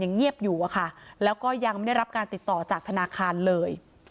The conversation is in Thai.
เงียบอยู่อะค่ะแล้วก็ยังไม่ได้รับการติดต่อจากธนาคารเลย